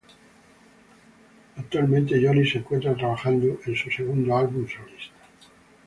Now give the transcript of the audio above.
Actualmente, Johnny se encuentra trabajando en su segundo álbum solista.